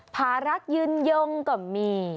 ภารักยืนยงก็มี